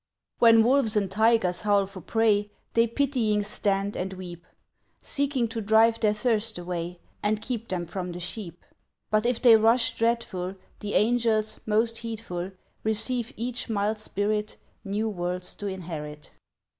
When wolves and tigers howl for prey, They pitying stand and weep; Seeking to drive their thirst away, And keep them from the sheep. But, if they rush dreadful, The angels, most heedful, Receive each mild spirit, New worlds to inherit.